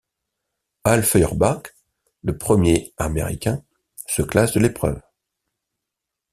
Al Feuerbach, le premier américain, se classe de l'épreuve.